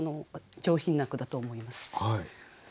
上品な句だと思います。